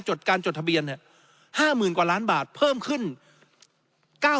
จดการจดทะเบียนเนี่ยห้าหมื่นกว่าล้านบาทเพิ่มขึ้นเก้า